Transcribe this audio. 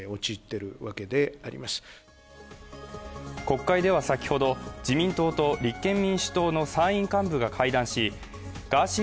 国会では先ほど、自民党と立憲民主党の参院幹部が会談しガーシー